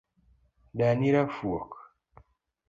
Dani rafuok